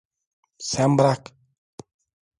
Sen bırak!